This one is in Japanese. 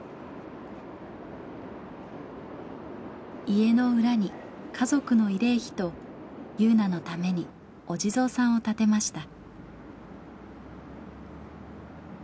家の裏に家族の慰霊碑と汐凪のためにお地蔵さんを建てました。